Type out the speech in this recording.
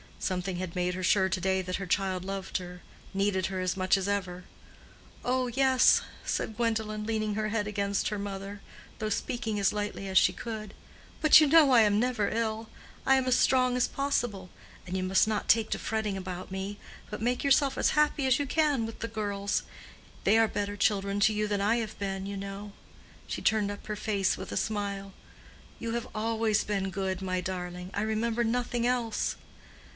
Something had made her sure to day that her child loved her—needed her as much as ever. "Oh, yes," said Gwendolen, leaning her head against her mother, though speaking as lightly as she could. "But you know I never am ill. I am as strong as possible; and you must not take to fretting about me, but make yourself as happy as you can with the girls. They are better children to you than I have been, you know." She turned up her face with a smile. "You have always been good, my darling. I remember nothing else."